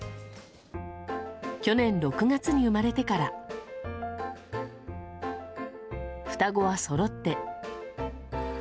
去年６月に生まれてから双子はそろって。